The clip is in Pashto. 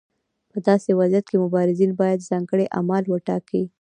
په داسې وضعیت کې مبارزین باید ځانګړي اعمال وټاکي.